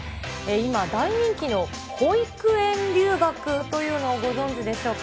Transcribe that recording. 今、大人気の保育園留学というのをご存じでしょうか。